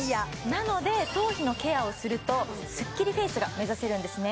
なので頭皮のケアをするとスッキリフェイスが目指せるんですね